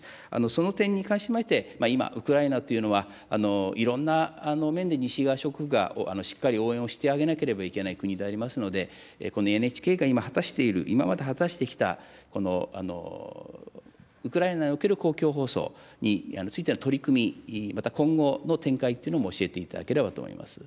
その点に関しまして、今、ウクライナというのは、いろんな面で西側諸国がしっかり応援をしてあげなければいけない国でありますので、このＮＨＫが今、果たしている、今まで果たしてきた、このウクライナにおける公共放送についての取り組み、また今後の展開というのも教えていただければと思います。